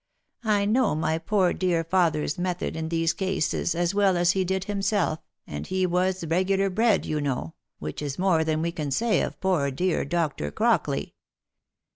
I know my poor dear father's method in these cases as well as he did himself, and he was regular bred you know, which is more than we can say of poor dear Dr. Crockley."